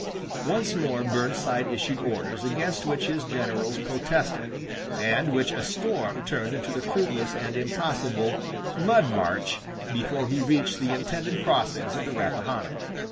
Once more Burnside issued orders against which his generals protested, and which a storm turned into the fruitless and impossible "mud march" before he reached the intended crossings of the Rappahannock.